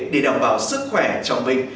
để đồng bào sức khỏe cho mình